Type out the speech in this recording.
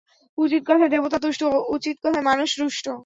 উচিত কথায় দেবতা তুষ্ট, উচিত কথায় মানুষ রুষ্ট।